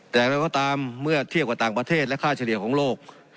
แต่เราก็ตามเมื่อเทียบกับต่างประเทศและค่าเฉลี่ยของโลก